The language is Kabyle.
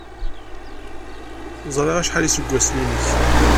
Ẓriɣ acḥal iseggasen-nnek.